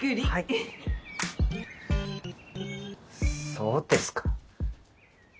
そうですか？